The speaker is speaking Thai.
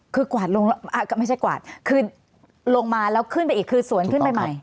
คือกวาดลงแล้วก็ไม่ใช่กวาดคือลงมาแล้วขึ้นไปอีกคือสวนขึ้นไปใหม่